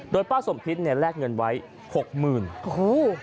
โดยป้าสมพิษเนี่ยแลกเงินไว้๖๐๐๐๐บาท